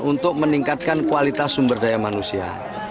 untuk meningkatkan kualitas sumber daya manusia